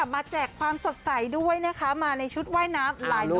มาแจกความสดใสด้วยมาในชุดว่าน้ำ